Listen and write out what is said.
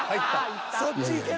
そっちいける。